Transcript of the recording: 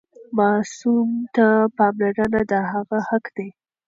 ماسوم ته پاملرنه د هغه حق دی.